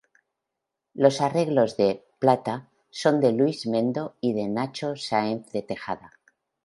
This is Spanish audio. Los arreglos de "Plata" son de Luis Mendo y de Nacho Sáenz de Tejada.